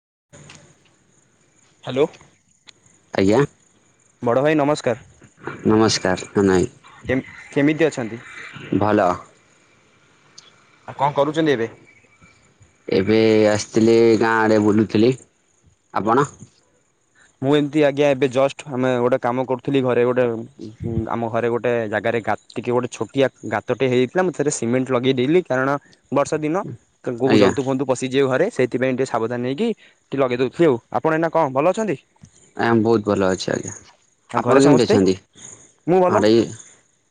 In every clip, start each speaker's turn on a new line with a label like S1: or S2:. S1: [inaudible]
S2: Hello.
S1: ଆଜ୍ଞା।
S2: ବଡ଼ ଭାଇ ନମସ୍କାର।
S1: ନମସ୍କାର।
S2: କେମ୍ କେମିତି
S1: [unintelligible]
S2: ଅଛନ୍ତି।
S1: ଭଲ।
S2: ଆଉ କଣ କରୁଛନ୍ତି ଏବେ?
S1: ଏବେ ଆସିଥିଲି ଗାଁ ଆଡ଼େ ବୁଲୁଥିଲି। ଆପଣ?
S2: ମୁଁ ଏମିତି ଆଜ୍ଞା ଏବେ ଜଷ୍ଟ ଆମେ ଗୋଟେ କାମ କରୁଥିଲି ଘରେ ଗୋଟେ ଆମ ଘରେ ଗୋ ଗୋଟେ ଜାଗାରେ ଗା ଟିକେ ଗୋଟେ ଛୋଟିଆ ଗାତଟେ ହେଇଯାଇଥିଲା। ମୁଁ ସେଥିରେ ସିମେଣ୍ଟ ଲଗେଇଦେଲି କାରଣ ବର୍ଷା ଦିନ ତ କୋଉ
S1: ଆଜ୍ଞା
S2: ଜନ୍ତୁ ଫନ୍ତୁ ପଶିଯିବ ଘରେ ସେଇଥିପାଇଁ ଟିକେ ସାବଧାନ ହେଇକି ଟିକେ ଲଗେଇଦେଉଥିଲି ଆଉ। ଆପଣ ଏଇନା କଣ ଭଲ ଅଛନ୍ତି?
S1: ଆଇ ଆମ୍ ବହୁତ ଭଲ ଅଛି ଆଜ୍ଞା।
S2: ଆଉ
S1: ଆପଣ
S2: ଘରେ
S1: କେମିତି
S2: ସମସ୍ତେ
S1: ଅଛନ୍ତି?
S2: ମୁଁ ଭଲ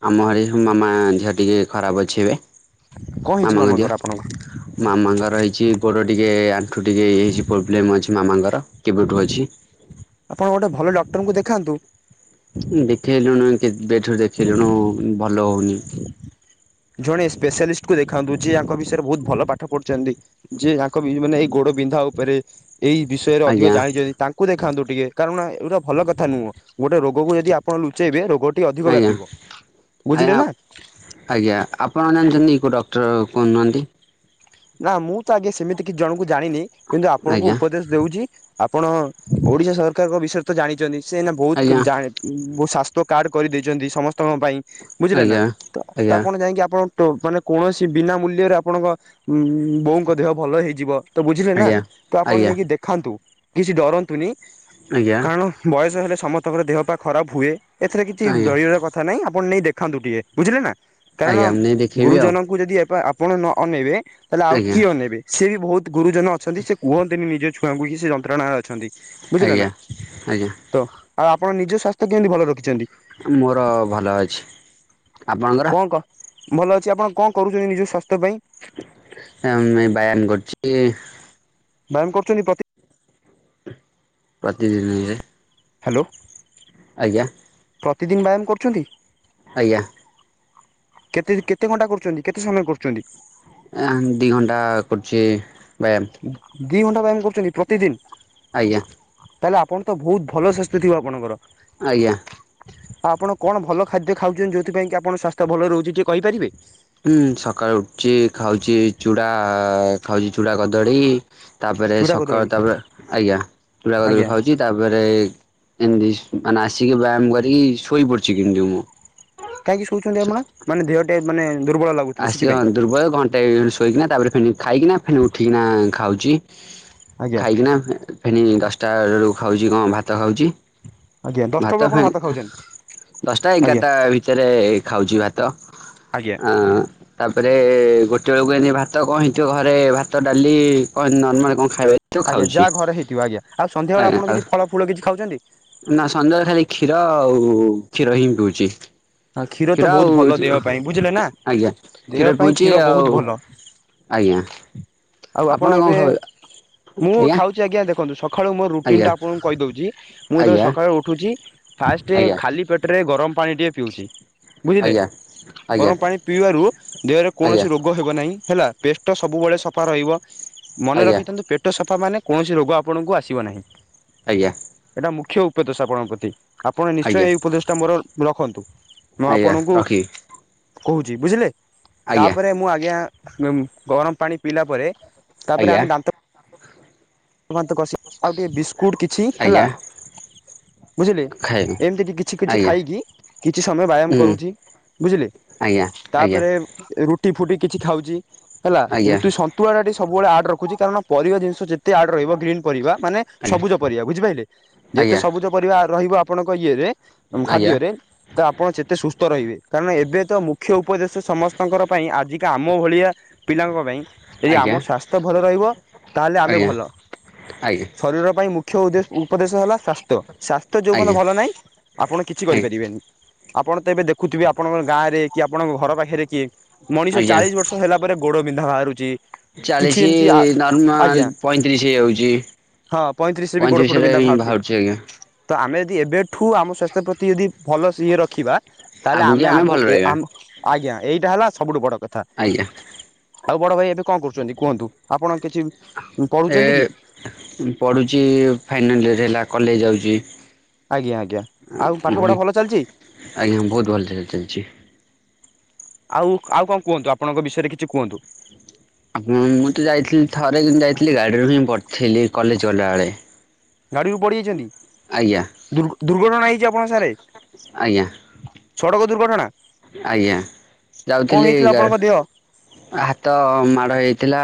S1: ଆମ ଆଡେ ଯୋଉ ମାମା ଝିଅ ଟିକେ ଖରାପ ଅଛି ଏବେ।
S2: କଣ ହେଇଛି
S1: ମାମାଙ୍କ ଦିଅ
S2: ମାମାଙ୍କର ଆପଣଙ୍କୁ
S1: ମାମାଙ୍କର ହେଇଛି ଗୋଡ ଟିକେ ଆଣ୍ଠୁ ଟିକେଇ ହେଇଛି ପ୍ରୋବ୍ଲେମ ଅଛି ମାମାଙ୍କର କେବେଠୁ ଅଛି।
S2: ଆପଣ ଗୋଟେ ଭଲ ଡକ୍ଟରଙ୍କୁ ଦେଖାନ୍ତୁ।
S1: କେଇଥର ଦେଖିଲଲୁଣୁ। ଭଲ ହଉନି।
S2: ଜଣେ ସ୍ପେଶାଲିଷ୍ଟ କୁ ଦେଖାନ୍ତୁ ଯିଏ ଙ୍କ ବିଷୟରେ ବହୁତ ଭଲ ପାଠ ପଢୁଛନ୍ତି ଯିଏଙ୍କ ମାନେ ଏଇ ଗୋଡ ବିନ୍ଧା ଉପରେ। ଏଇ ବିଷୟରେ ଅଧିକ
S1: ଆଜ୍ଞା।
S2: ଜାଣିଛନ୍ତି ତାଙ୍କୁ ଦେଖାନ୍ତୁ। ଟିକେ କାରଣ ଏଗୁଟା ଭଲ କଥା ନୁହଁ ଗୋଟେ ରୋଗକୁ ଯଦି ଆପଣ ଲୁଚେଇବେ ଗୋଟିଏ ଅଧିକ
S1: ଆଜ୍ଞା
S2: ବ୍ୟାପିବ
S1: ଆଜ୍ଞା
S2: ବୁଝିଲେ ନା।
S1: ଆଜ୍ଞା ଆପଣ ଜାଣିଛନ୍ତିଇଟ କ୍ଟ କରୁନାହାନ୍ତି।
S2: ନା ମୁୂତ ଆଗେ ସେମିତି କିଛି ଜଣଙ୍କୁ ଜାଣିନି କିନ୍ତୁ ଆପଣଙ୍କୁ
S1: ଆଜ୍ଞା
S2: ଉପଦେଶ ଦଉଛି ଆପଣ ଓଡିଶା ସରକାରଙ୍କ ବିଷୟ ତ ଜାଣିଛନ୍ତି। ସେ ବହୁତ
S1: ଆଜ୍ଞା।
S2: ଜଣେ ଶ କାର୍ଡ କରିଦେଇଛନ୍ତି ସମସ୍ତ ତମ ପାଇଁ ବୁଝିଲେ ନା
S1: ଆଜ୍ଞା
S2: ତ
S1: ଆଜ୍ଞା
S2: ତାପଣ ଯାଇକି ଆପଣ ମାନେ କୌଣସି ବିନା ମୂଲ୍ୟରେ ଆପଣଙ୍କ ବୋଉଙ୍କ ଦେହ ଭଲ ହେଇଯିବ ତ ବୁଝିଲେ ନା
S1: ଆଜ୍ଞା
S2: ତ ଆପଣ
S1: ଆଜ୍ଞା
S2: ନେଇକି ଦେଖାନ୍ତୁ କିଛି ଡରନ୍ତୁନି
S1: ଆଜ୍ଞା
S2: କାରଣ ବୟସ ହେଲେ ସମସ୍ତଙ୍କ ଦେହ ପାା ଖରାପ ହୁଏ ଏଥିରେ କିଛି
S1: ଆଜ୍ଞା
S2: ଡରିବାର କଥା ନାହିଁ ଆପଣ ନେଇଖନ୍ତୁ ଟିକେ ବୁଝିଲ ନା କାରଣ
S1: ଆଜ୍ଞା ମୁଁ ନେଇ ଦେଖେଇବି ଆଉ
S2: ଗୁରୁଜନଙ୍କୁ ଯଦି ଏ ପୁଣ ନ ଅନେଇବେ ତାହଲେ ଆଉ
S1: ଆଜ୍ଞା
S2: କିଏ ନେବେ ସି ବି ବହୁତ ଗୁରୁଜନ ଅଛନ୍ତି ସେ କୁହନ୍ତିନ ନିଜେ ଲାଗୁଛି ସେ ଯନ୍ତ୍ରଣା ରେ ଅଛନ୍ତି।
S1: ଆଜ୍ଞା ଆଜ୍ଞା
S2: ଆ ଆପଣ ନିଜ ସ୍ୱାସ୍ତ୍ୟ କେମିତି ଭଲରେ ରଖିଛନ୍ତି?
S1: ମୋର ଭଲ ଅଛି । ଆପଣଙ୍କର
S2: କଣ କ ଭଲ ଅଛି ଆପଣ କଣ କରୁଛନ୍ତି ନିଜ ସ୍ୱାସ୍ଥ୍ୟ ପାଇଁ?
S1: ଏଇ
S2: ମ୍ୟାମ କରୁଛନ୍ତି ପ୍ରତି
S1: ଆଜି ଏ
S2: ହାଲୋ।
S1: ଆଜ୍ଞା।
S2: ପ୍ରତିଦିନ୍ ବ୍ୟାମ୍ କରୁଛନ୍ତି?
S1: ଆଜ୍ଞା।
S2: କେତେ କେତେ ଘଣ୍ଟା କରୁଛନ୍ତି। କେତେ ସମୟ କରୁଛନ୍ତି?
S1: ଆ ଦି ଘଣ୍ଟା କରୁଛି। ବ୍ୟାଆମ୍।
S2: ଦିଇ ଘଣ୍ଟା ବ୍ୟାମ୍ କରୁଛନ୍ତି ପ୍ରତିଦିନ?
S1: ଆଜ୍ଞା।
S2: ତାହେଲେ ଆପଣ ତ ବହୁତ ଭଲ ଶାସ୍ଥ୍ୟ ଥିବ ଆପଣଙ୍କର।
S1: ଆଜ୍ଞା।
S2: ଆପଣ କଣ ଭଲ ଖାଦ୍ୟ ଖାଉଛନ୍ତି। ଯୋଉଥିପାଇ କି ଆପଣଙ୍କ ସ୍ଵାସ୍ଥ୍ୟ ଭଲ ରହୁଛି ଟିକଏ କହିପାରିବେ?
S1: ହୁଁ ସଖାଳୁ ଉଠି ଖାଉଛି ଚୁଡ଼ା ଖାଉଛି ଚୁଡ଼ା କଦଳୀ ତାପରେ
S2: ଚୁଡ଼ା କଦଳୀ
S1: ସକାଳୁ ତାପରେ ଆଜ୍ଞା ଚୁଡ଼ା କଦଳୀ
S2: ଆଜ୍ଞା
S1: ଖାଉଛି । ତାପରେ ଏମିତି ମାନେ ଆସିକି ବ୍ୟାୟାମ କରିକି ଶୋଇ ପଡଛି କିନ୍ତୁ ମୁଁ
S2: କାହିଁକି ଶୋଉଛନ୍ତି ଆପଣ ମାନେ ଦେହ ଟେ ମାନେ ଦୁର୍ବଳ ଲାଗୁଥିବ
S1: ଆସ
S2: ସେଥିପାଇଁ
S1: ଦୁର୍ବଳ ଘଣ୍ଟା ଶୋଇକିନା ତା ପରେ ଫିଲ୍ମ ମୁଁ ଉଠିକିନା ଖାଉଚି।
S2: ଆଜ୍ଞା
S1: ଖାଇକିନା ଫେନି ଦଶଟା ବେଳୁ ଖାଉଛି କଣ ଭାତ ଖାଉଛି।
S2: ଆଜ୍ଞା ଦଶଟା ବେଳୁ
S1: ଭାତ
S2: ଆପଣ
S1: ଖାଉଁ
S2: ଖାଉଛନ୍ତି
S1: ଦଶଟା
S2: ଆଜ୍ଞା
S1: ଏଗାରଟା ଭିତରେ ଖାଉଛି ଭାତ
S2: ଆଜ୍ଞା
S1: ଆଁ ତାପରେ ଗୋଟେ ବେଳ କୁ ଏଇନେ ଭାତ କଣ ହେଇଥିବ ଘରେ ଭାତ ଡାଲି କଣ ନର୍ମାଲ୍ କଣ? ଆଉ ଏଠୁ
S2: ଆଜ୍ଞା
S1: ଖାଉଛି
S2: ଯାହା
S1: [inaudible]
S2: ଘରେ ହେଇଥିବ ଆଜ୍ଞା ଆଉ
S1: ଅ
S2: ସନ୍ଧ୍ୟାବେଳେ ଆପଣ କିଛି ଫଳ ଫୁଳ କିଛି ଖାଉଛନ୍ତି?
S1: ସନ୍ଧ୍ୟା ବେଳେ ଖାଲି କ୍ଷୀର ଆଉ କ୍ଷୀର ହିଁ ପିଉଛି।
S2: ହଁ କ୍ଷୀର ତ ବହୁତ ଭଲ ଦେହ ପାଇଁ ବୁଝିଲେ ନା।
S1: ଆଜ୍ଞା
S2: ଦେହ
S1: କ୍ଷୀର
S2: ପାଇଁ
S1: ପିଉଚି
S2: କ୍ଷୀର ବହୁତ
S1: ଆଉ
S2: ଭଲ।
S1: ଆଜ୍ଞା।
S2: ଆଉ ଆପଣ
S1: କଣ
S2: ଏବେ
S1: ଖାଉ
S2: ମୁଁ ଖାଉଛି ଆଜ୍ଞା ଦେଖ ଦେଖନ୍ତୁ ସ ସକାଳୁ ମୋର
S1: ଆଜ୍ଞା
S2: ରୁଟିନଟା ଆପଣଙ୍କୁ କହିଦେଉଛି ମୁଁ ଯେତେବେଳେ
S1: ଆଜ୍ଞା
S2: ସକାଳୁ ଉଠୁଛି ଫାଷ୍ଟ
S1: ଆଜ୍ଞା।
S2: ଖାଲି ପେଟରେ ଗରମ ପାଣିଟିଏ ପିଉଛି । ବୁଝିଲେ
S1: ଆଜ୍ଞା ଆଜ୍ଞା
S2: ଗରମ ପାଣି ପିଇବାରୁ ଦେହରେ
S1: ଆଜ୍ଞା
S2: କୌଣସି ରୋଗ ହେବ ନାହିଁ। ହେଲା ପେଷ୍ଟ ସବୁବେଳେ ସ ସଫା ରହିବ । ମନେ
S1: ଆଜ୍ଞା
S2: ରଖିଥାନ୍ତୁ ପେଟ ସ ସଫା ମାନେ କୌଣସି ରୋଗ ଆପଣଙ୍କୁ ଆସିବ ନାହିଁ
S1: ଆଜ୍ଞା
S2: । ଏଟା ମୁଖ୍ୟ ଉ ଦୋଷ ଆପଣଙ୍କ ପ୍ରତି । ଆପଣ ନିଶ୍ଚୟ
S1: ଆଜ୍ଞା
S2: ଏହି ଉପଦେଶଟା ମୋର। ରଖନ୍ତୁ ।
S1: ଆଜ୍ଞା ରଖି ।
S2: କହୁଛି ବୁଝିଲେ । ତାପରେ ମୁଁ ଆଜ୍ଞା ‌। ଗମ-ଗରମ ପାଣି । ପିଇଲା ପରେ। ତାପରେ
S1: ଆଜ୍ଞା
S2: ଆମେ ଦାନ୍ତ । [unintelligible] ଆଉ ଟିକେ ବିସ୍କୁଟ୍ କିଛି
S1: ଆଜ୍ଞା
S2: ହେଲା । ବୁଝିଲେ
S1: ଖାଇବି
S2: ଏମିତି କି କିଛି କିଛି
S1: ଆଜ୍ଞା
S2: ଖାଇକି କିଛି ସମୟ ବ୍ୟାୟାମ
S1: ହୁଁ
S2: କରୁଛି ବୁଝିଲେ
S1: ଆଜ୍ଞା ଆଜ୍ଞା
S2: ତାପରେ ରୁଟି ଫୁଟି । କିଛି ଖାଉଛି । ହେଲା
S1: ଆଜ୍ଞା
S2: ରୁଟି ସନ୍ତୁଳାଡା। ସବୁବେଳେ ଆଡ ର୍ କୁଜି କାରଣ ପରିବା ଜିଷ ଯେତେ । ଯେତେ ଆଡ୍ ରହିବ ଗ୍ରୀନ ପରିବା ମାନେ ସବୁଜ
S1: ଆଜ୍ଞା
S2: ପରିବା ବୁଝିପାରିଲେ ଯେତେ
S1: ଆଜ୍ଞା
S2: ସବୁଜ ପରିବା ରହି ଆପଣଙ୍କ ଇଏରେ ।
S1: ଆଜ୍ଞା ଆଜ୍ଞା
S2: ଖାଦ୍ୟରେ ତ ଆପଣ ଯେତେ ସୁସ୍ଥ ରହିବେ କାରଣ ଏବେ ତ ମୁଖ୍ୟ ଉପଦେଶ ସମସ୍ତଙ୍କ ପାଇଁ ଆଜିକା । ମୋ ଭଳିଆ ପିଲାଙ୍କ ପାଇଁ । ଯଦି ଆମ
S1: ଆଜ୍ଞା
S2: ସ୍ୱାସ୍ଥ୍ୟ ଭଲ ରହିବ ତାହେଲେ ଆମେ ଭ
S1: ଆଜ୍ଞା
S2: ଭଲ ଶରୀର ପାଇଁ ମୁଖ୍ୟ । ଖଉ ଦେ । ଉପଦେଶ ହେଲା ସ୍ୱାସ୍ଥ୍ୟ ସ୍ୱାସ୍ଥ୍ୟ ଯୋଉ ପର୍ଯ୍ୟନ୍ତ
S1: ଆଜ୍ଞା ଆଜ୍ଞା
S2: ଭଲ ନାହିଁ ଆପଣ କିଛି କରିପାରିବେନି ଆପଣ ତ ଏବେ ଦେଖୁଥିବେ ଆପଣଙ୍କ ଗାଁରେ । ରେ କି ଆପଣଙ୍କ ଘର ପାଖରେ କିଏ? ମଣିଷ
S1: ଆଜ୍ଞା
S2: ଚାଳିଶ ବର୍ଷ ହେଲା ପରେ ଗୋଡ ବିନ୍ଧା ବାହାରୁଛି କିଛି
S1: ଚାଳିଶି
S2: ଏମିତି
S1: ନର୍ମାଲ
S2: ଆଜ୍ଞା।
S1: ପଇଁତିରିଶ ହେଇଯାଉଛି
S2: ହଁ ବି ଗୋଡ଼ ଫୋଡ଼
S1: ପଇଁତିରିଶରେ
S2: ବିନ୍ଧା
S1: ବାହାରୁଛି ଆଜ୍ଞା।
S2: ତ ଆମେ ଯଦି ଏବେଠୁ ଆମ ସ୍ୱାସ୍ଥ୍ୟ ପ୍ରତି ଯଦି ଭଲ ଇଏ ରଖିବା। ତାହେଲେ
S1: ଆଗକୁ
S2: ଆମେ ଆଗ
S1: ଭଲ ରହିବା
S2: ଆଜ୍ଞା ଏଇଟା ହେଲା। ସବୁଠୁ ବଡ଼ କଥା
S1: ଆଜ୍ଞା
S2: ଆଉ ବଡ ଭାଇ ଏବେ କଣ କରୁଛନ୍ତି କୁହନ୍ତୁ ଆପଣ କିଛି
S1: ଏ
S2: ପଢ଼ୁଛନ୍ତି କି
S1: ପଢୁଛି ଫାଇନାଲ ଇୟର ହେଲା କଲେଜ ଯାଉଛି
S2: ଆଜ୍ଞା ଆଜ୍ଞା ଆଉ ପାଠ ପଢା ଭଲ
S1: ଆଜ୍ଞା ବହୁତ ଭଲ
S2: ଚାଲିଛି
S1: ଚାଲିଛି
S2: ଆଉ ଆଉ କଣ କୁହନ୍ତୁ ଆପଣଙ୍କ ବିଷୟରେ କିଛି କୁହନ୍ତୁ
S1: ହ ମୁଁ ତ ଯାଇଥିଲି ଥରେ କି ଯାଇଥିଲି ଗାଡିରୁ ହିଁ ବଥିଲି ଥିଲି କଲେଜ ଗଲାବେଳେ
S2: ଗାଡ଼ିକୁ ପଡ଼ିିଯାଇଛନ୍ତି
S1: ଆଜ୍ଞା
S2: ଦୁର୍ ଦୁର୍ଘଟଣା ହେଇଯ ଆପଣ [unintelligible]
S1: ଆଜ୍ଞା
S2: ଦୁର୍ଘଟଣା
S1: ଆଜ୍ଞା
S2: କଣ
S1: ଯାଉଥିଲି
S2: ହେଇଥିଲା ଆପଣଙ୍କ ଦେହ
S1: ହାତ ମାଡ଼ ହେଇଥିଲା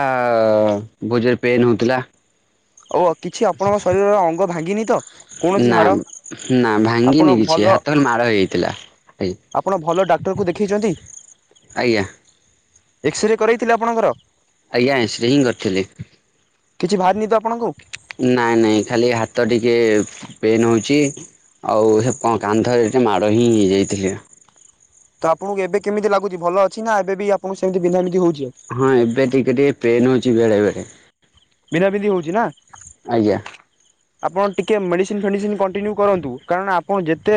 S1: ଭୋଜିରେ ପେନ୍ ହଉଥିଲା
S2: ଓ କିଛି ଆପଣଙ୍କ ଶରୀରର ଅଙ୍ଗ ଭାଙ୍ଗିନି ତ କୌଣସି
S1: ନା
S2: ହାଡ଼
S1: ନା ଭାଙ୍ଗିନି
S2: ଆପଣ
S1: କିଛି
S2: ଭଲ
S1: ହାତ ଖାଲି ମାଡ଼ ହେଇଯାଇଥିଲା।
S2: ଆପଣ ଭଲ ଡାକ୍ତରକୁ ଦେଖାଇଛନ୍ତି
S1: ଆଜ୍ଞା
S2: ଏକ୍ସରେ କରରେଇଥିଲେ ଆପଣଙ୍କର
S1: ଆଜ୍ଞା ଶ୍ରୀ କରିଥିଲି
S2: କିଛି ବାହାରନି ତୁ ଆପଣଙ୍କୁ କଉ କି
S1: ନାଇଁ ନାଇଁ ଖାଲି ହାତ ଟିକେ ପେନ୍ ହେଉଛି ଆଉ ସେ କାନ୍ଧରେ ଟିକେ ମାଡ଼ ହିଁ ହେଇଯାଇଥିଲେ
S2: ତ ଆପଣଙ୍କୁ ଏବେ କେମିତି ଲାଗୁଛି ଭଲ ଅଛି ନା ଏବେ ବି ଆପଣଙ୍କୁ ସେମିତି ବିନ୍ଧାିଧ ହଉଛି
S1: ହଁ ଏବେ ଟିକେ ଟିକେ ପେନ୍ ଅଛି ଚି ବେଳେବେେଳେ
S2: ବିଧା ବିିନ୍ଧି ହେଉଛି ନା
S1: ଆଜ୍ଞା
S2: ଆପଣ ଟିକେ ମେଡିସିନ ଫେଡିସିନ କଣ୍ଟିନ୍ୟୁ କରନ୍ତୁ କାରଣ ଆପଣ ଯେତେ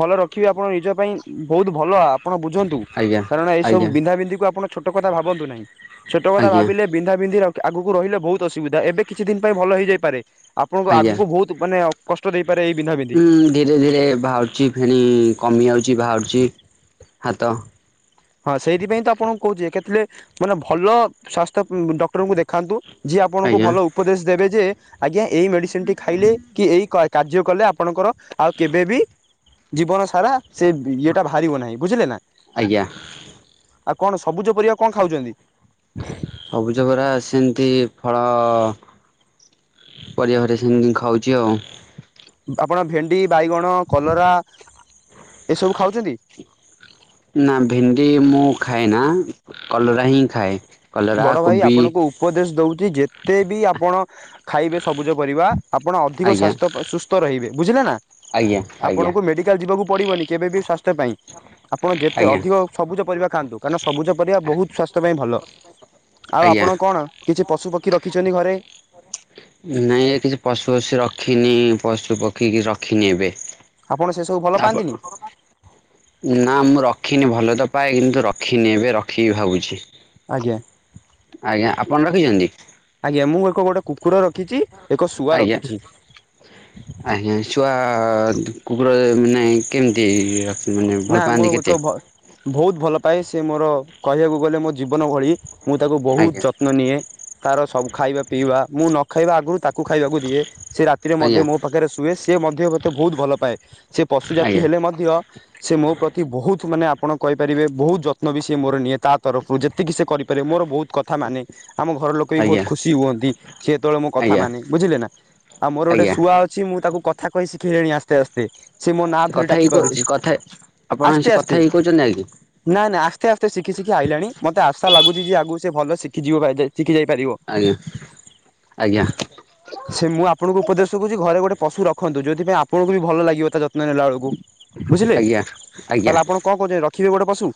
S2: ଭଲ ରଖିବେ ଆପଣ ନିଜ ପାଇଁ ବହୁତ ଭଲ ଆପଣ ବୁଝନ୍ତୁ
S1: ଆଜ୍ଞା
S2: କାରଣ ଏଇ ସବୁ
S1: ଆଜ୍ଞା
S2: ବିନ୍ଧା ବିନ୍ଧି କ ଆପଣ ଛୋଟ କଥା ଭାବନ୍ତୁ ନାହିଁ ଛୋଟଥା
S1: ଆଜ୍ଞା
S2: ଭିଲେ ବିନ୍ଧା ବିନ୍ଧି ର ଆଗକୁ ରହିଲେ ବହୁତ ଅସୁବିଧା ଏବେ କିଛି ଦିନ ପାଇଁ ଭଲ ହେଇଯାଇପାରେ ଆପଣଙ୍କ ଆଗକୁ ବହୁତ ମାନେ କଷ୍ଟ ଦେଇ
S1: ହୁଁ ଧୀରେ ଧୀରେ ବାହାରୁଛି ଫିଣି କମିଯାଉଛି ବାହାରୁଛି ହାତ
S2: ହଁ ସେଇଥିପାଇଁ ତ ଆପଣ କହୁଛି କେତେଳେ ମାନେ ଭଲ ସ୍ଵାସ୍ଥ୍ୟ ଡକ୍ଟରଙ୍କୁ ଦେଖାନ୍ତୁ ଯିଏ ଆପଣଙ୍କୁ
S1: ଆଜ୍ଞା
S2: ଭଲ ଉପଦେଶ ଦେବେ ଯେ ଆଜ୍ଞା ଏଇ ମେଡିସିନ ଟି ଖାଇଲେ କି ଏଇ କ କାର୍ଯ୍ୟ କଲେ ଆପଣଙ୍କର ଆଉ କେବେ ବି ଜୀବନ ସାରା ସେ ଇଏଟା ବାହାରିବ ନାହିଁ ବୁଝିଲେ ନା।
S1: ଆଜ୍ଞା
S2: ଆଉ କଣ ସବୁଜ ପରିବା କଣ ଖାଉଛନ୍ତି।
S1: ସବୁଜ ପରା ସେମିତି ଫଳ ପରିବା ଘରେ ସେମିତି ଖାଉଛି ଆଉ।
S2: ଆପଣ ଭେଣ୍ଡି ବାଇଗଣ କଲରା ଏସବୁ ଖାଉଛନ୍ତି।
S1: ନା ଭେଣ୍ଡି ମୁଁ ଖାଏ ନା କଲରା ହିଁ ଖାଏ। କଲରା
S2: ବଡ ଭାଇ
S1: କୋବି
S2: ଆପଣଙ୍କୁ ଉପଦେଶ ଦଉଛି ଯେତେ ବି ଆପଣ ଖାଇବେ ସବୁଜ ପରିବା ଆପଣ ଅଧିକ
S1: ଆଜ୍ଞା
S2: ସ୍୍ୱାସ୍ଥ ସୁସ୍ଥ ରହିବେ। ବୁଝିଲେ ନା
S1: ଆଜ୍ଞା ଆଜ୍ଞା
S2: ଆପଣଙ୍କୁ ମେଡିକାଲ ଯିବାକୁ ପଡିବନି କେବେବି ସ୍ୱାସ୍ଥ୍ୟ ପାଇଁ ଆପଣ ଯେତେ
S1: ଆଜ୍ଞା
S2: ଅଧିକ ସବୁଜ ପରିବା ଖାଆନ୍ତୁ କାରଣ ସବୁଜ ପରିବା ବହୁତ ସ୍ୱାସ୍ଥ୍ୟ ପାଇଁ ଭଲ। ଆଉ
S1: ଆଜ୍ଞା
S2: ଆପଣ କଣ କିଛି ପଶୁ ପକ୍ଷୀ ରଖିଛନ୍ତି ଘରେ
S1: ନାଇଁ କିଛି ପଶୁ ପକ୍ଷୀ ରଖିନି ପଶୁ ପକ୍ଷୀ କି ରଖିନି ଏବେ
S2: ଆପଣ ସେ ସବୁ ଭଲ
S1: ଆପ
S2: ପାଆନ୍ତିନି।
S1: ନା ମୁଁ ରଖିନି ଭଲ ତ ପାଏ କିନ୍ତୁ ରଖିନି ଏବେ ରଖିକି ଭାବୁଛି।
S2: ଆଜ୍ଞା।
S1: ଆଜ୍ଞା ଆପଣ ରଖିଛନ୍ତି
S2: ଆଜ୍ଞା ମୁଁ ଏକ ଗୋଟେ କୁକୁର ରଖିଛି ଏକ ଶୁଆ ରଖିଛି
S1: ଆଜ୍ଞା ଛୁଆ ପାଇଁ କେମିତି ମାନେ ଭଲ
S2: ନା ମୁଁ
S1: ପାଆନ୍ତି କେତେ?
S2: ଏକ ବହୁତ ଭଲ ପାଏ। ସେ ମୋର କହିବାକୁ ଗଲେ ମୋ ଜୀବନ ଭଳି ମୁଁ ତାକୁ ବହୁତ
S1: ଆଜ୍ଞା
S2: ଯତ୍ନ ନିଏ। ତାର ସବୁ ଖାଇବା ପିଇବା ମୁଁ ନ ଖାଇବା ଆଗରୁ ତାକୁ ଖାଇବାକୁ ଦିଏ ସେ ରାତିରେ ମଧ୍ୟ
S1: ଆଜ୍ଞା
S2: ମୋ ପାଖରେ ଶୁଏ ସେ ମଧ୍ୟ ମୋତେ ବହୁତ ଭଲ ପାଏ ସେ ପଶୁ ଜାତି
S1: ଆଜ୍ଞା
S2: ହେଲେ ମଧ୍ୟ ମୋ ପ୍ରତି ବହୁତ ମାନେ ଆପଣ କହିପାରିବେ ବହୁତ ଯତ୍ନ ବି ସେ ମୋର ନିଏ ତା ତରଫରୁ ଯେତିକି ସେ କରିପାରିବେ ମୋର ବହୁତ କଥା ମାନେ ଆମ ଘର ଲୋକ ବି ବହୁତ
S1: ଆଜ୍ଞା
S2: ଖୁସି ହୁଅନ୍ତି ସି ଯେତେବେଳେ ମୁଁ କଥା
S1: ଆଜ୍ଞା
S2: ମାନେ ବୁଝିଲେ ନା ଆଉ ମୋର ଗୋଟେ
S1: ଆଜ୍ଞା
S2: ଶୁଆ ଅଛି ମୁଁ ତାକୁ କଥା କହି ଶିଖିଲେଣି ଆସ୍ତେ ଆସ୍ତେ ସେ ମୋ ନାଁ ଧରି
S1: କଥା ହେଇ
S2: ଡାକି ପାରୁଛି।
S1: ସେ କଥା ଆପଣ
S2: ଆସ୍ତେ
S1: ସେ
S2: ଆସ୍ତ
S1: କଥା ହେଇ କହୁଛନ୍ତି ଆଜ୍ଞା
S2: ନାଇ ନାଇଁ ଆସ୍ତେ ଆସ୍ତେ ଶିଖି ଶିଖି ଆଇଲାଣି ମତେ ଆଶା ଲାଗୁଛି ଯେ ଆଗକୁ ସେ ଭଲ ଶିଖ। କି ଯିବ ବାାଇିଲେ। ଚିକି ଯାଇପାରିବ
S1: ଆଜ୍ଞା ଆଜ୍ଞା
S2: ସେ ମୁଁ ଆପଣଙ୍କୁ ଉପଦେଶ କଛି ଘରେ ଗୋଟେ ପଶୁ ରଖନ୍ତୁ ଯଦି। ସେଥିପଁ ଆପଣଙ୍କୁ ବି ଭଲ ଲାଗିବ ତା ନେ ନଲା ଅଳକୁୁ ବୁଝିଲେ
S1: ଆଜ୍ଞା ଆଜ୍ଞା
S2: ତାହେଲେ ଆପଣ କଣ କହୁେ [unintelligible] ପଶୁ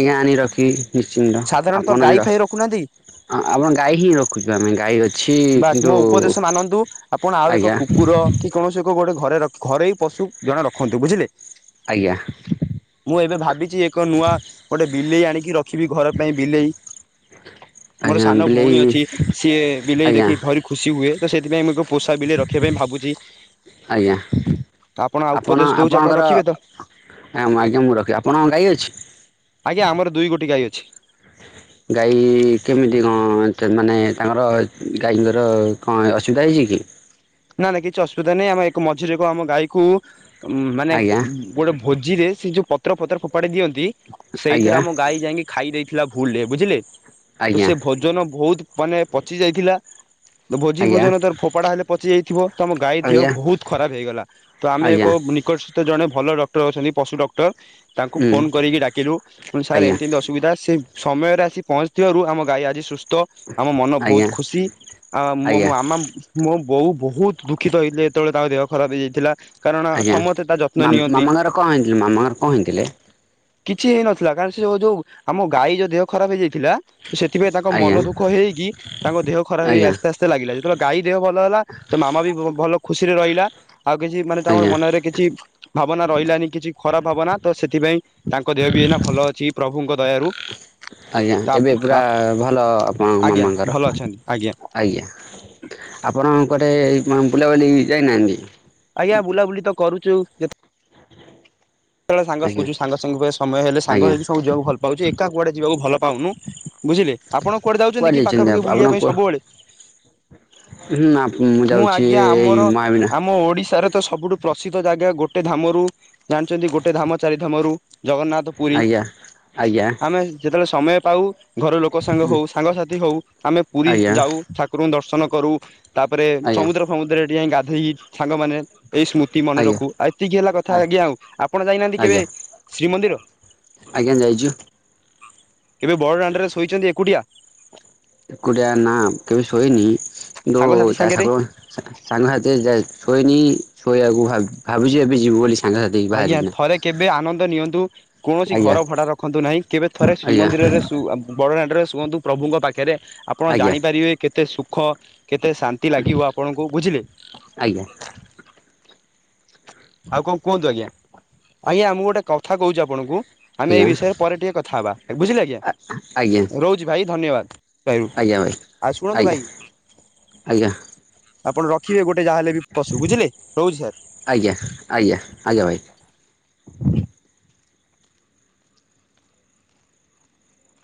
S1: ଆଜ୍ଞା ଆଣି ରଖିବି ନିଶ୍ଚିନ୍ତ
S2: ସାଧାରଣତଃ
S1: ଆପଣ
S2: ଗାଈ
S1: ହ
S2: ଫାଇ ରଖୁନାହାନ୍ତି
S1: ଆପଣ ଗାଈ ହିଁ ରଖୁଛୁ ଆମେ ଗାଈ ଅଛି
S2: ବାସ୍
S1: କିନ୍ତୁ
S2: ମୋ ଉପଦେଶ ମାନନ୍ତୁ ଆପଣ ଆଉ ଏକ
S1: ଆଜ୍ଞା
S2: କୁକୁର କି କୌଣସି ଗୋଟେ ଘରେ ରଖ ଘରେୋଇ ପଶୁ ଜଣେ ରଖନ୍ତୁ ବୁଝିଲେ
S1: ଆଜ୍ଞା
S2: ମୁଁ ଏବେ ଭାବିଛି ଏକ ନୂଆ ଗୋଟିେ ବିଲେଇ ଆଣିକି ରଖିବି ଘର ପାଇଁ ବିଲେଇ ମୋର
S1: ଆଜ୍ଞା
S2: ସାନ
S1: ବିଲେଇ
S2: ଭଉଣୀ ଅଛି ସିଏ ବିଲେଇ
S1: ଆଜ୍ଞା
S2: ଦେଖି ଭାର ଖୁସି ହୁଏ ତ ସେଥିପାଇଁମ ପୋଷା ବିଲ ରଖିବା ପାଇଁ ଭାବୁଛି
S1: ଆଜ୍ଞା
S2: ଆପଣ ଉପଦେଶ ଦଉ
S1: ଆପଣଙ୍କର ଆଁ ଆଜ୍ଞା ମୁଁ ରଖିବି ଆପଣଙ୍କ ଗାଈ ଅଛି
S2: ଆଜ୍ଞା ଆମର ଦୁଇ ଗୋଟିଏ ଗାଈ ଅଛି
S1: ଗାଈ କେମିତି କଣ ମାନେ ତାଙ୍କର ଗାଈଙ୍କର କଣ ଅସୁବିଧା ହେଇଛି କି
S2: ନା ନା କିଛି ଅସୁବିଧା ନାହିଁ ଆମେ ଏକ ମଝିରେକୁ ଆମ ଗାଈକୁ ଉଁ ମାନେ
S1: ଆଜ୍ଞା
S2: ଗୋଟେ ଭୋଜିରେ ସେ ଯୋଉ ପତ ପତ ଫୋପାଡ଼ିିଅନ୍ତି ସେଇଥିରେ
S1: ଆଜ୍ଞା
S2: ଆମ ଗାଈ ଯାଇକି ଖାଇ ଦେଇ ଥିଲା ଭୁଲରେ ବୁଝିଲେ ତ
S1: ଆଜ୍ଞା
S2: ସେ ଭୋଜନ ବହୁତ ମାନେ ପଚି ଯାଇଥିଲା ଭୋଜି
S1: ଆଜ୍ଞା
S2: ଭୋଜନ ଫୋପଡ଼ା ହେଲେ ପଚିଯାଇଥିବ ତ ଆମ ଗାଈ ଦେହ
S1: ଆଜ୍ଞା
S2: ବହୁତ ଖରାପ ହେଇଗଲା ତ ଆମେ ଏକ
S1: ଆଜ୍ଞା
S2: ନିକଟସ୍ଥ ଜଣେ ଭଲ ଡକ୍ଟର ଅଛନ୍ତି ପଶୁ ଡକ୍ଟର ତାଙ୍କୁ
S1: ହୁଁ
S2: ଫୋନ କରିକି ଡାକିଲୁ ତୁ ସାର୍
S1: ଆଜ୍ଞା
S2: ଏମିତି ଏମିତି ଅସୁବିଧା ସେ ସମୟରେସି ପହଞ୍ଚିଥିବାରୁ ଆମ ଗାଈ ଆଜି ସୁସ୍ଥ ତ ଆମ ମନ ବହୁତ
S1: ଆଜ୍ଞା
S2: ଖୁସି ଆ ମୋ
S1: ଆଜ୍ଞା
S2: ଆମ ମୋ ବୋଉ ବହୁତ ଦୁଃଖିତ ହେଇଥିଲେ ଯେତେବେଳେ ତାଙ୍କ ଦେହ ଖରାପ ହେଇଯାଇଥିଲା କାରଣ
S1: ଆଜ୍ଞା
S2: ସମସ୍ତେ ତା ଯତ୍ନ ନିଅନ୍ତି
S1: ମାମା ଗଁର କଣ ହେଇଥିଲେ ମାମାଙ୍କର କଣ ହେଇଥିଲେ
S2: କିଛି ହେଇନଥିଲା କାରଣ ସେଉ ଯୋଉ ଆମ ଗାଈ ଯୋଉ ଦେହ ଖରାପ ହେଇଯାଇଛି ଥିଲା ସେଥିପାଇଁ ତାଙ୍କ ମନ
S1: ଆଜ୍ଞା
S2: ଦୁଃଖ ହେଇକି ତାଙ୍କ ଦେହ ଖରାପ ହେଇକି
S1: ଆଜ୍ଞା
S2: ଆସ୍ତେ ଆସ୍ତେ ଲାଗିଲା ଯେତେବେଳେ ଗାଈ ଦେହ ଭଲ ହେଲା ତ ମାମା ବି ଭଲ [unintelligible] ରହିଲା। ଆଉ କିଛି ମାନେ ତାଙ୍କର
S1: ଆଜ୍ଞା
S2: ମନରେ କିଛି ଭାବ୍ ଭାବନା ରହିଲାନି କିଛି ଖରାପ ଭାବନା, ତ ସେଥିପାଇଁ ତାଙ୍କ ଦେହ ବି ଏନା ଭଲ ଅଛି ପ୍ରଭୁଙ୍କ ଦୟାରୁ।
S1: ଆଜ୍ଞା ।ଏବେ ପୁରା ଭଲ ଆପଣଙ୍କ
S2: ଆଜ୍ଞା
S1: ମାମାଙ୍କର
S2: ଭଲ ଅଛନ୍ତି
S1: ଆଜ୍ଞା ଆପଣ [unintelligible] ମାନ ବୁଲାବୁଲି ଯାଇନାହାନ୍ତି।
S2: ଆଜ୍ଞା ବୁଲାବୁଲି ତ କରୁଛୁ [inaudible] ସେତେବେଳେ ସାଙ୍ଗ
S1: ଆଜ୍ଞା
S2: ଶିଖୁଛୁ ସାଙ୍ଗ ସାଙ୍ଗ ସମୟ ହେଲେ ସାଙ୍ଗ
S1: ଆଜ୍ଞା
S2: ହେଇକି ସବୁ ଯିବାକୁ ଭଲ ପାଉଛୁ, ଏକା କୁଆଡେ ଯିବାକୁ ଭଲ ପାଉନୁ ବୁଝିଲେ ଆପଣ କୁଆଡେ ଯାଉଛନ୍ତି କି
S1: କୁଆଡ଼େ
S2: ପାଖା
S1: ଯାଇଛନ୍ତି
S2: ପାାଖି
S1: ଆପଣ
S2: ବୁଲିବା ପାଇଁ
S1: କୁହ
S2: ସବୁବେଳେ,
S1: ହୁଁ
S2: ମୁଁ
S1: ଯାଉଛି
S2: ଆଜ୍ଞା
S1: ଏଇ
S2: ଆମର
S1: ମହାବିନା
S2: ଆମ ଓଡିଶାର ତ ସବୁଠୁ ପ୍ରସିଦ୍ଧ ଜାଗା ଗୋଟେ ଧାମ ରୁ ଜା ଯଦି ଗୋଟେ ଧାମ ଚାରି ଧାମ ରୁ ଜଗନ୍ନାଥ ପୁରୀ,
S1: ଆଜ୍ଞା ଆଜ୍ଞା
S2: ଆମେ ଯେତେବେଳେ ସମୟ ପାଉ। ଘର ଲୋକ ସାଙ୍ଗ ହଉ, ସାଙ୍ଗସାଥି ହଉ ଆମେ ପୁରୀ
S1: ଆଜ୍ଞା
S2: ଯାଉ ଠାକୁରଙ୍କୁ ଦର୍ଶନ କରୁ। ତାପରେ
S1: ଆଜ୍ଞା
S2: ସମୁଦ୍ର ଫମୁଦ୍ର ରେ ଟିକେ ଗା ଇ ସାଙ୍ଗ ମାନେ। ଏଇ ସ୍ମୃତି ମନେ
S1: ଆଜ୍ଞା
S2: ରଖୁ, ଆ ଏତିକି ହେଲା କଥା
S1: ଆ
S2: ଆଜ୍ଞା ଆଉ ଆପଣ ଯାଇନାହାନ୍ତି କେବେ
S1: ଆଜ୍ଞା
S2: ଶ୍ରୀମନ୍ଦିର?
S1: ଆଜ୍ଞା ଯାଇଛୁ
S2: କେବେ ବଡ ଦାଣ୍ଡରେ ଶୋଇଛନ୍ତି ଏକୁଟିଆ?
S1: ଏକୁଟିଆ ନା କେବେ ଶୋଇନି । କିନ୍ତୁ
S2: ସାଙ୍ଗସାଥି ସାଙ୍ଗରେ
S1: [inaudible] ସାଙ୍ଗସାଥୀ ର ଯାଏ ଶୋଇନୀ। ଶୋଇ ଆଗକୁ ଭାବ ଭାବୁଛି ଏବେ ଯିବୁ ବୋଲି। ସାଙ୍ଗସାଥି
S2: ଆଜ୍ଞା
S1: ବାହାରିକିନା
S2: ଥରେ କେବେ ଆନନ୍ଦ ନିଅନ୍ତୁ କୌଣସି
S1: ଆଜ୍ଞା
S2: ଘର ଭଡା ରଖନ୍ତୁ ନାହିଁ, କେବେ ଥରେ
S1: ଆଜ୍ଞା
S2: ଶ୍ରୀମନ୍ଦିରରେ ସୁ ଆ ବଡଦାଣ୍ଡର ଶୁ । ଶୁଅନ୍ତୁ ପ୍ରଭୁଙ୍କ ପାଖରେ। ଆପଣ
S1: ଆଜ୍ଞା
S2: ଜାଣିପାରିବେ କେତେ ସୁଖ, କେତେ ଶାନ୍ତି ଲାଗିବ ଆପଣଙ୍କୁ ବୁଝିଲେ।
S1: ଆଜ୍ଞା
S2: ଆଉ କଣ କୁହନ୍ତୁ ଆଜ୍ଞା, ଆଜ୍ଞା ମୁଁ ଗୋଟେ କଥା କହୁଛି ଆପଣଙ୍କୁ? ଆମେ ଏଇ ବିଷୟରେ ପରେ ଟିକେ କଥା ହେବା? ବୁଝିଲେ ଆଜ୍ଞା
S1: ଆଜ୍ଞା ଆଜ୍ଞା
S2: ।ରହୁଛି ଭାଇ ଧନ୍ୟବାଦ। ଭାଇ
S1: ଆଜ୍ଞା ଭାଇ,
S2: ଆଉ ଶୁଣନ୍ତୁ ଭାଇ
S1: ଆଜ୍ଞା ଆଜ୍ଞା।
S2: ଆପଣ ରଖିବେ ଗୋଟେ । ଗୋଟେ ଯାହାହେଲେ ବି ପଶୁ ବୁଝିଲେ ରହୁଛି ସାର୍।
S1: ଆଜ୍ଞା ଆଜ୍ଞା ଭାଇ।